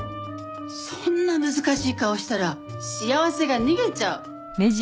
そんな難しい顔したら幸せが逃げちゃう。